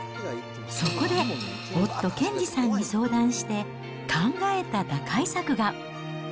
そこで、夫、賢治さんに相談して考えた打開策が。